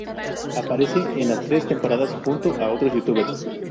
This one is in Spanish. Aparece en las tres temporadas junto a otros youtubers.